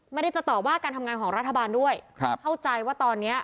ไม่ได้จะต่อว่าการทำงานของรัฐบาลด้วยครับเข้าใจว่าตอนเนี้ย